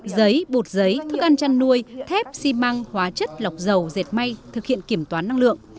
giấy bột giấy thức ăn chăn nuôi thép xi măng hóa chất lọc dầu dệt may thực hiện kiểm toán năng lượng